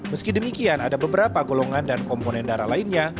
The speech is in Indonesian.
meski demikian ada beberapa golongan dan komponen darah lainnya